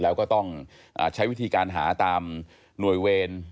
แล้วก็ต้องใช้วิธีการหาตามหน่วยเวร